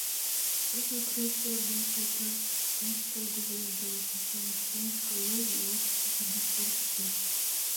Кажне крейцерым мый шотлен пыштем, шоҥго вуем дене пашам ыштем, шкаланем нимомат налмашем уке.